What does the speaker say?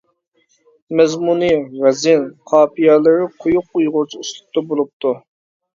مەزمۇنى، ۋەزىن، قاپىيەلىرى قويۇق ئۇيغۇرچە ئۇسلۇبتا بولۇپتۇ.